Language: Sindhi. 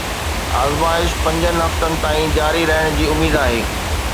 آزمائش پنجن هفتن تائين جاري رهڻ جي اميد آهي